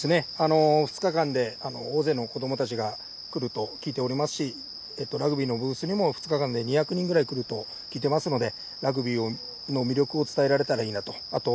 ２日間で大勢の子どもたちが来ると聞いておりますしラグビーのブースにも２日間で２００人くらい来ると聞いていますのでラグビーの魅力を伝えられたらいいなと思いますね。